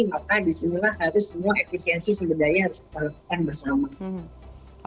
maka di sinilah harus semua efisiensi sebudaya harus diperlukan bersama